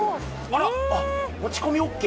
あっ持ち込みＯＫ？